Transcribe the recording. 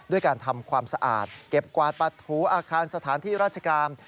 ด้วยการทำความสะอาดเก็บกวาดปัดถูอาคารสถานที่ราชการ